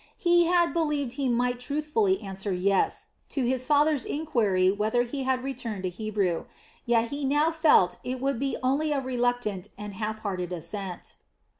He had believed he might truthfully answer yes to his father's enquiry whether he had returned a Hebrew, yet he now felt it would be only a reluctant and half hearted assent.